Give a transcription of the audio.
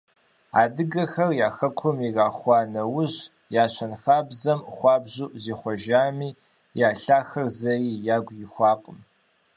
Адыгэхэр я хэкум ирахуа нэужь я щэнхабзэм хуабжьу зихъуэжами, я лъахэр зэи ягу ихуакъым.